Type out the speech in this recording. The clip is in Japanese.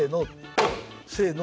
せの！